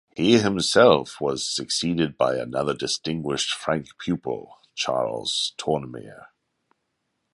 He himself was succeeded by another distinguished Franck pupil, Charles Tournemire.